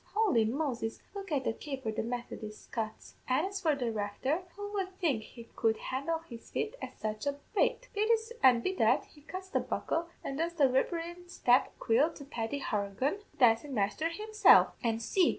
Holy Moses, look at the caper the Methodis cuts! An' as for the Recther, who would think he could handle his feet at such a rate! Be this an' be that, he cuts the buckle, and does the threblin' step aiquil to Paddy Horaghan, the dancin' masther himself? An' see!